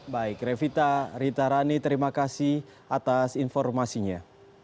baik revita ritarani terima kasih atas informasinya